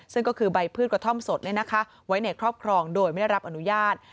ซึ่งก็คือใบพืชกระท่อมสดไว้ในครอบครองโดยไม่ได้รับอนุญาต